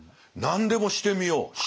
何でもしてみよう。